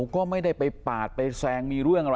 ตอนนี้ก็เปลี่ยนแบบนี้แหละ